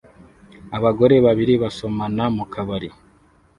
Abagore babiri basomana mu kabari